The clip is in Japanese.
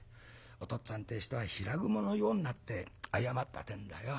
お父っつぁんってえ人はひらぐものようになって謝ったってえんだよ。